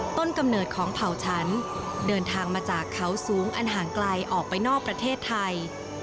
กำเนิดของเผ่าชั้นเดินทางมาจากเขาสูงอันห่างไกลออกไปนอกประเทศไทย